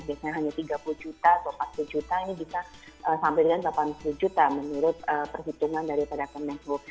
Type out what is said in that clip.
biasanya hanya tiga puluh juta atau empat puluh juta ini bisa sampai dengan delapan puluh juta menurut perhitungan daripada kemenku